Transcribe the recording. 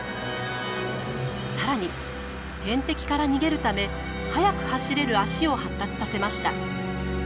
さらに天敵から逃げるため速く走れる足を発達させました。